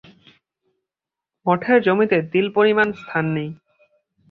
মঠের জমিতে তিল-পরিমাণ স্থান নাই।